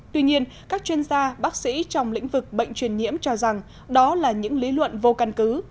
tuy nhiên các chuyên gia bác sĩ trong lĩnh vực bệnh truyền nhiễm cho rằng đó là những lý luận vô căn cứ